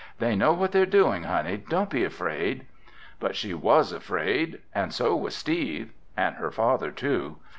"They know what they're doing, Honey. Don't be afraid." But she was afraid. And so was Steve. And her father, too.